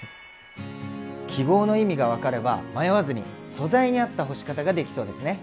記号の意味が分かれば迷わずに素材に合った干し方ができそうですね。